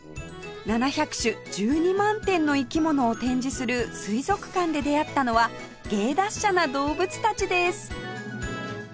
７００種１２万点の生き物を展示する水族館で出会ったのは芸達者な動物たちです